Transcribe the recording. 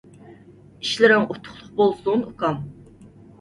ئىشلىرىڭ ئۇتۇقلۇق بولسۇن ئۇكام.